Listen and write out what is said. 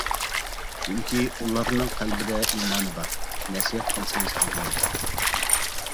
چۈنكى ئۇلارنىڭ قەلبىدە ئىمانى بار، نەسىھەت قىلسىڭىز ئاڭلايدۇ.